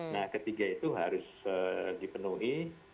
nah ketiga itu harus dipenuhi